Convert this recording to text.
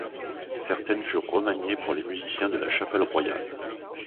Certaines furent remaniées pour les musiciens de la Chapelle Royale.